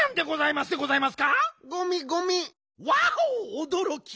おどろき。